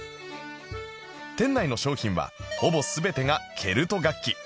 店内の商品はほぼ全てがケルト楽器